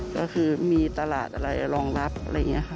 ก็คือมีตลาดอะไรรองรับอะไรอย่างนี้ค่ะ